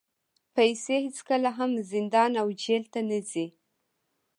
پیسې هېڅکله هم زندان او جېل ته نه ځي.